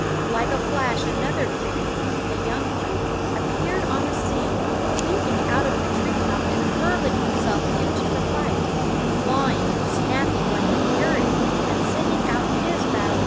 Like a flash another coon, a young one, appeared on the scene, leaping out of the tree top and hurling himself into the fight, clawing and snapping like a fury, and sending out his battle yell.